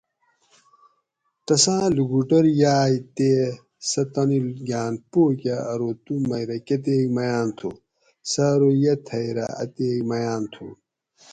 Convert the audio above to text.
تساۤں لوکوٹور یاۤئے تے سہ تانی گھاۤن پو کہ ارو تو مئی رہ کۤتیک میاۤن تُھو؟ سہ ارو یہ تھئی رہ اتیک میاۤن تھو